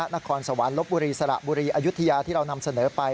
นครสวรรค์ลบบุรีสระบุรีอายุทยาที่เรานำเสนอไป